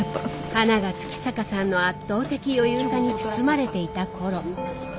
花が月坂さんの圧倒的余裕さに包まれていた頃。